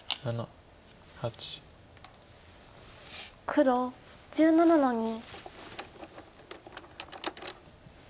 黒１７の二。